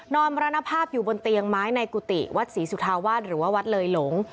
มรณภาพอยู่บนเตียงไม้ในกุฏิวัดศรีสุธาวาสหรือว่าวัดเลยหลง